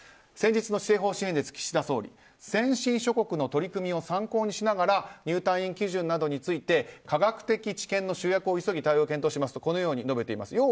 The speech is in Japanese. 先日の施政方針演説、岸田総理先進諸国の取り組みを参考にしながら入退院基準について科学的知見の集約を急ぎ対応を検討しますとこのように述べています。